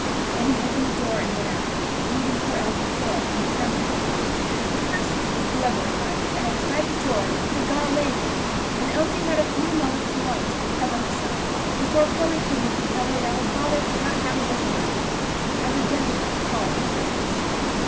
He then opened the door and went out, leaving poor Elsie pale, and trembling like a leaf. The person, whoever it was, that had tried the door had gone away again, and Elsie had a few moments alone to recover herself, before Chloe came to tell her that her father could not have her with him that morning, as a gentleman had called on business.